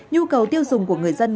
nhu cầu tiêu dùng của người dân